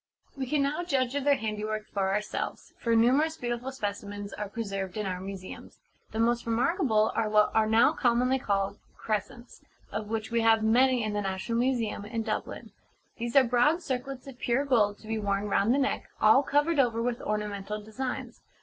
We can now judge of their handiwork for ourselves; for numerous beautiful specimens are preserved in our museums. The most remarkable are what are now commonly called 'Crescents,' of which we have many in the National Museum, in Dublin. These are broad circlets of pure gold to be worn round the neck, all covered over with ornamental designs.